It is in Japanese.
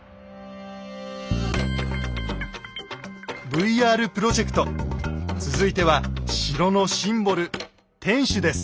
ＶＲプロジェクト続いては城のシンボル「天守」です。